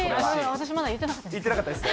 私、まだ言ってなかったです。